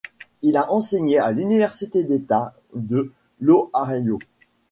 Il a enseigné à l'Université d'État de l'Ohio.